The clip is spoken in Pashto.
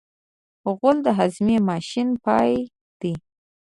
غول د هاضمې ماشین پای دی.